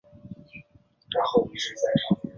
旅陆小将回来传承篮球梦